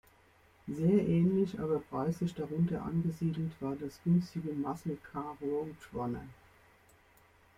Sehr ähnlich, aber preislich darunter angesiedelt war das günstige Muscle-Car Road Runner.